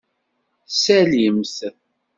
Salim-t.